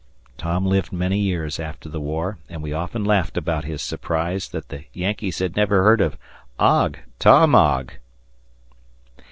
Tom lived many years after the war, and we often laughed about his surprise that the Yankees had never heard of "Ogg, Tom Ogg!"